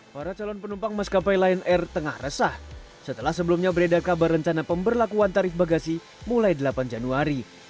para calon penumpang maskapai lion air tengah resah setelah sebelumnya beredar kabar rencana pemberlakuan tarif bagasi mulai delapan januari